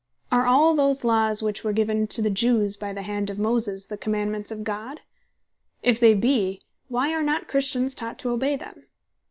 Are all those Laws which were given to the Jews by the hand of Moses, the Commandements of God? If they bee, why are not Christians taught to obey them?